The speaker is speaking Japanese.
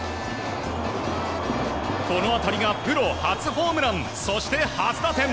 この当たりがプロ初ホームランそして、初打点。